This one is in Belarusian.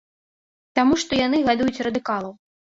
Таму што яны гадуюць радыкалаў.